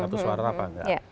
kartu suara apa tidak